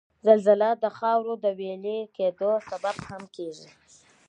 زلزله د د خاورو د ویلي کېدو سبب هم کیږي